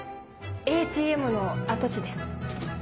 ＡＴＭの跡地です。